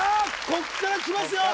ここからきますよ